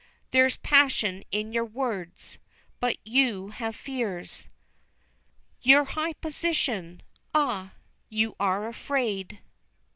"There's passion in your words, but you have fears, Your high position! Ah! you are afraid!